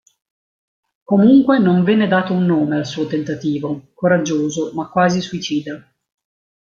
Comunque non venne dato un nome al suo tentativo, coraggioso ma quasi suicida.